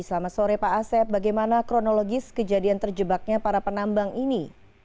selamat sore pak asep bagaimana kronologis kejadian terjebaknya para penambang ini